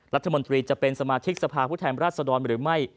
รัฐมนตรีจะเป็นสมาชิกสภาพผู้แทนราชดรหรือไม่